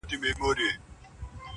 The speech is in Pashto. لکه قام وي د ټپوس او د بازانو،